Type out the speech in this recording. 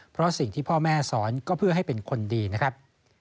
เพราะสิ่งที่พ่อแม่สอนก็เพื่อให้เป็นคนดีนะครับ